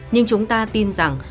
nhưng chúng ta tin rằng